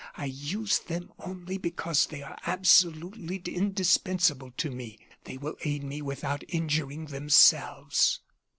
I use them only because they are absolutely indispensable to me. They will aid me without injuring themselves."